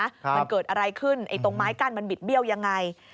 มันเกิดอะไรขึ้นไอ้ตรงไม้กั้นมันบิดเบี้ยวยังไง